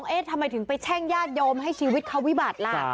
เอ๊ะทำไมถึงไปแช่งญาติโยมให้ชีวิตเขาวิบัติล่ะ